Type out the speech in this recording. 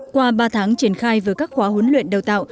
qua ba tháng triển khai với các khóa huấn luyện đào tạo